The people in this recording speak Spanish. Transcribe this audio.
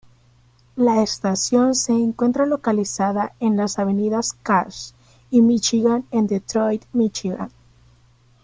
La estación se encuentra localizada en las avenidas Cass y Míchigan en Detroit, Míchigan.